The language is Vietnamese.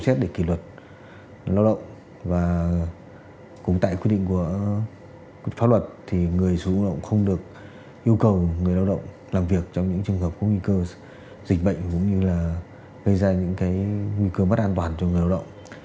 bộ luật lao động có quyền được nghỉ việc mà không bị xem xét để kỷ luật lao động và cũng tại quy định của pháp luật thì người sử dụng lao động không được yêu cầu người lao động làm việc trong những trường hợp có nguy cơ dịch bệnh cũng như là gây ra những cái nguy cơ mất an toàn cho người lao động